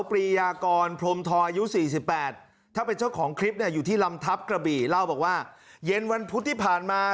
ปรียากรพรมทออายุ๔๘ถ้าเป็นเจ้าของคลิปเนี่ยอยู่ที่ลำทัพกระบี่เล่าบอกว่าเย็นวันพุธที่ผ่านมา